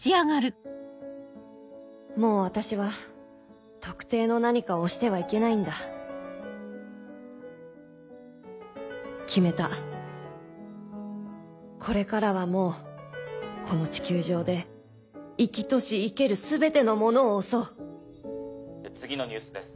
もう私は特定の何かを推してはいけないんだ決めたこれからはもうこの地球上で生きとし生ける全てのものを推そう次のニュースです。